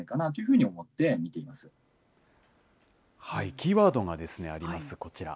キーワードがあります、こちら。